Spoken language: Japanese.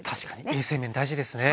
衛生面大事ですね。